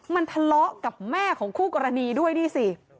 มันทะเลาะกับแม่ของคู่กรณีด้วยนี่สิ